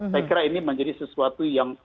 saya kira ini menjadi sesuatu yang